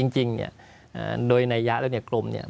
จริงเนี่ยโดยนัยยะแล้วเนี่ยกรมเนี่ย